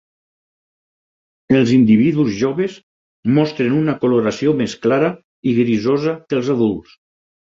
Els individus joves mostren una coloració més clara i grisosa que els adults.